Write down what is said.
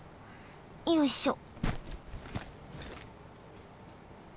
よいしょ。